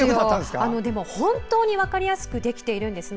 本当に分かりやすくできているんですね。